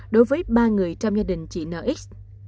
đối với ba người trong gia đình chị nx